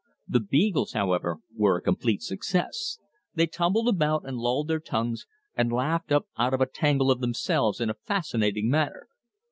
The beagles, however, were a complete success. They tumbled about, and lolled their tongues, and laughed up out of a tangle of themselves in a fascinating manner.